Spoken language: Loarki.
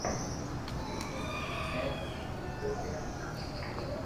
ھي ھين ٻوليا ۾ آسون ھي